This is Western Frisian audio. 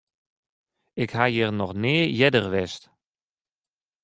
Ik ha hjir noch nea earder west.